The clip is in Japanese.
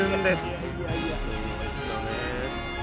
すごいですよね。